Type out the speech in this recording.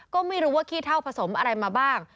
ก็ไม่รู้ว่าขี้เท่าผสมอะไรมาบ้าง